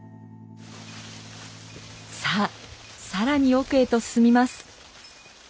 さあ更に奥へと進みます。